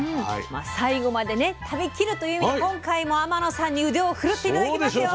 最後まで食べ切るという意味で今回も天野さんに腕を振るって頂きますよ。